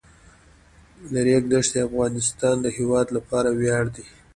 د ریګ دښتې د افغانستان د هیوادوالو لپاره ویاړ دی.